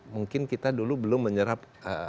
mungkin kita dulu belum menyerap